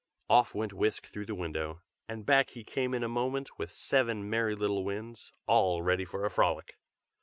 Off went Whisk through the window, and back he came in a moment with seven merry little Winds, all ready for a frolic.